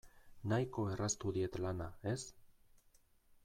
Nahiko erraztu diet lana, ez?